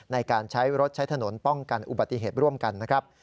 ในการใช้รถใช้ถนนป้องกันอุบัติเหตุร่วมกันนะครับ